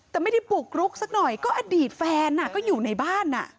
แต่ไม่ได้บุกรุกสักหน่อยก็อดีตแฟนก็อยู่ในบ้าน